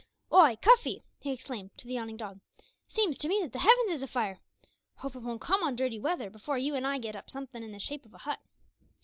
"Why, Cuffy!" he exclaimed, to the yawning dog, "seems to me that the heavens is a fire! Hope it won't come on dirty weather before you an' I get up somethin' in the shape o' a hut.